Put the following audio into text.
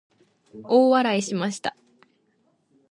大笑いしました。